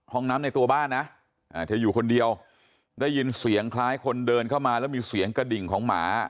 ห้องน้ำในตัวบ้านนะเธออยู่คนเดียวได้ยินเสียงคล้ายคนเดินเข้ามาแล้วมีเสียงกระดิ่งของหมา